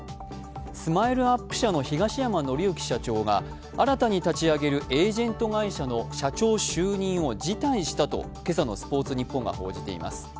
ＳＭＩＬＥ−ＵＰ．社の東山紀之社長が新たに立ち上げるエージェント会社の社長就任を辞退したと今朝の「スポーツニッポン」が報じています。